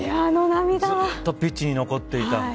ずっとピッチに残っていた。